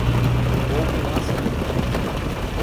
Houve um acidente.